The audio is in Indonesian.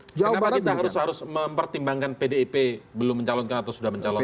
kenapa kita harus mempertimbangkan pdip belum mencalonkan atau sudah mencalonkan